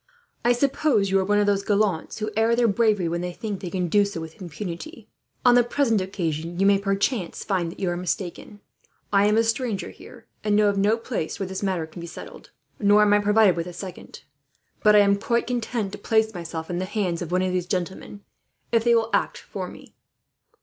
I suppose you are one of those gallants who air their bravery when they think they can do so, with impunity. On the present occasion you may, perchance, find that you are mistaken. I am a stranger here, and know of no place where this matter can be settled, nor am I provided with a second; but I am quite content to place myself in the hands of one of these gentlemen, if they will act for me."